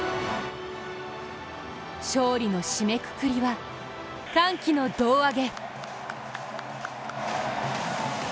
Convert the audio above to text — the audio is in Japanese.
勝利の締めくくりは、歓喜の胴上げ。